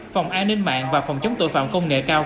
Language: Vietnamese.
phòng an ninh mạng và phòng chống tội phạm công nghệ cao